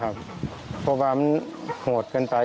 นี่ทอง๕เดือนแล้ว